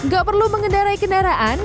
gak perlu mengendarai kendaraan